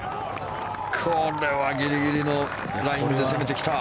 これはギリギリのラインで攻めてきた。